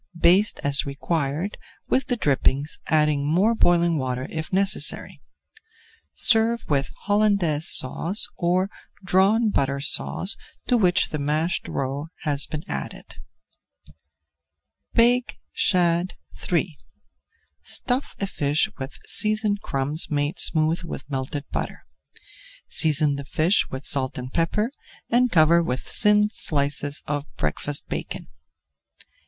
Baste as required with the drippings, adding more boiling water if necessary. Serve with Hollandaise Sauce or Drawn Butter Sauce to which the mashed roe has been added. BAKED SHAD III Stuff a fish with seasoned crumbs made smooth with melted butter. Season the fish with salt and pepper and cover with thin slices of breakfast bacon.